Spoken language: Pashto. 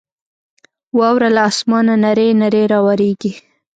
واوره له اسمانه نرۍ نرۍ راورېږي.